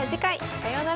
さようなら。